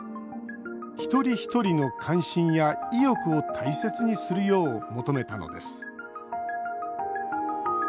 一人一人の関心や意欲を大切にするよう求めたのです。